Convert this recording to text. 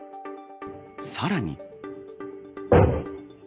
さらに。